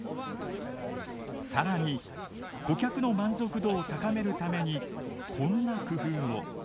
更に顧客の満足度を高めるためにこんな工夫を。